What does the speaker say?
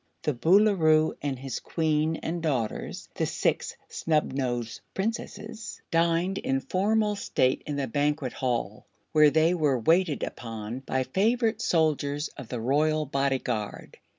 The Boolooroo and his Queen and daughters the Six Snubnosed Princesses dined in formal state in the Banquet Hall, where they were waited upon by favorite soldiers of the Royal Bodyguard.